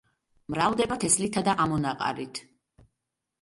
მრავლდება თესლითა და ამონაყარით.